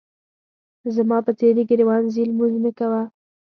زما په څېرې ګریوان ځي لمونځ پې کومه.